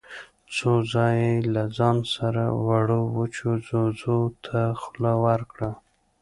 څو ځايه يې له ځان سره وړو وچو ځوځو ته خوله ورکړه.